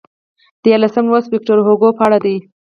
دیارلسم لوست ویکتور هوګو په اړه دی.